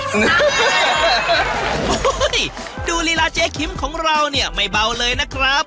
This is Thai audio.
โอ้โหดูลีลาเจ๊คิมของเราเนี่ยไม่เบาเลยนะครับ